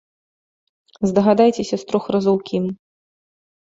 Здагадайцеся з трох разоў, кім?